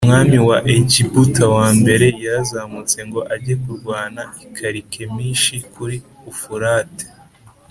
umwami wa Egiputa l yarazamutse ngo ajye kurwana i Karikemishi m kuri Ufurate